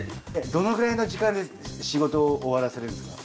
どのぐらいの時間で仕事終わらせるんですか？